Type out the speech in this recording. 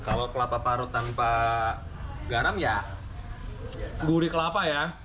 kalau kelapa parut tanpa garam ya gurih kelapa ya